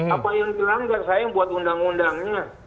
apa yang dilanggar saya yang buat undang undangnya